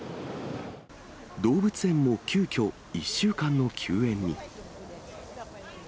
動物園も急きょ、１週間の休園に。